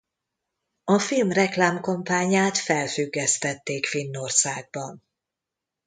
A film reklámkampányát felfüggesztették Finnországban.